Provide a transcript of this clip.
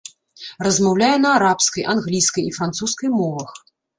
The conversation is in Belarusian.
Размаўляе на арабскай, англійскай і французскай мовах.